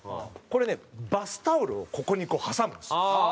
これねバスタオルをここにこう挟むんですよ。